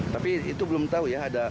tapi itu belum tahu ya